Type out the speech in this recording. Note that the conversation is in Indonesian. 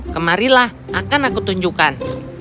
kemarilah akan aku tunjukkan